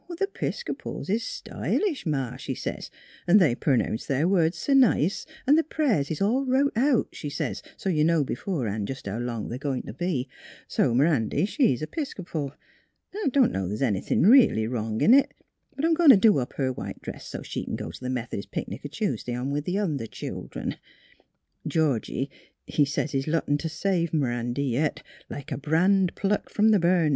The 'Piscopals is s' sty lish, Ma,' she sez ;' an' they pernounce their words s' nice, an' the prayers is all wrote out,' she sez, * so you know b'forehan' jest how long they're goin' t' be.' So M 'randy, she's a 'Piscopal. 'N' I dunno's th's anything reelly wrong in it. But I'm goin' to' do up her white dress so 't she c'n go t' the Meth'dist picnic a Tuesday, along o' th' other childern. Georgie, he sez he's lottin' t' save M 'randy yit, like a brand plucked f 'om th' burnin'.